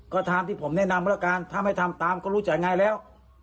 ก็ตามที่ผมแนะนำแล้วกันถ้าไม่ทำตามก็รู้จักไงแล้ว